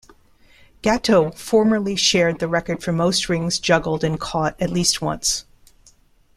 Gatto formerly shared the record for most rings juggled and caught at least once.